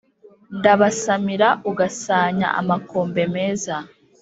ndabasamira ugasanya amakombe meza